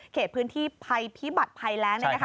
เขตพื้นที่ภัยพิบัติภัยแรง